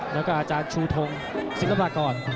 แล้วก็อาจารย์ชูทงศิลปากร